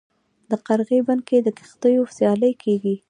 د قرغې بند کې د کښتیو سیالي کیږي.